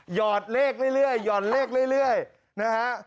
อดเลขเรื่อยหยอดเลขเรื่อยนะฮะ